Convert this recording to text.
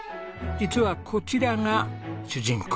実はこちらが主人公。